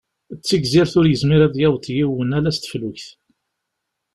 D tigzirt ur yezmir ad yaweḍ yiwen ala s teflukt.